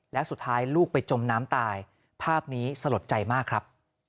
และสุดท้ายลูกไปจมน้ำตายภาพนี้สลดใจมากครับ